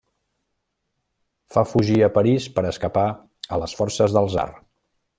Fa fugir a París per escapar a les forces del tsar.